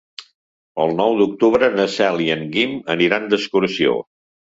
El nou d'octubre na Cel i en Guim aniran d'excursió.